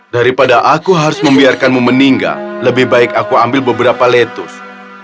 daripada aku harus membiarkanmu meninggal lebih baik aku ambil beberapa lettuce